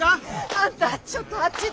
あんたちょっとあっちで休も。